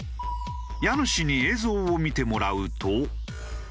家主に映像を見てもらうと。